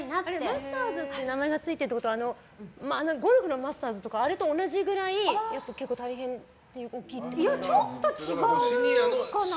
マスターズという名前がついてるということはゴルフのマスターズとかあれと同じくらいちょっと違うかな？